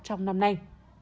trong năm nay